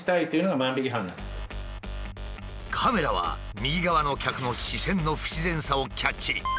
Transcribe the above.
カメラは右側の客の視線の不自然さをキャッチ。